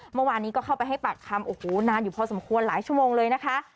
เมื่อวานนี้ก็เข้าไปให้ปากคำโอ้โหนานอยู่พอสมควรหลายชั่วโมงเลยนะคะ